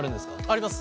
あります。